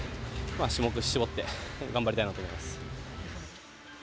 種目、絞って頑張りたいなと思います。